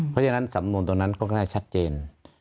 เพราะฉะนั้นสำนวนตรงนั้นค่อนข้างชัดเจน